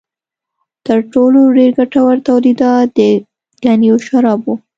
تر ټولو ډېر ګټور تولیدات د ګنیو شراب و.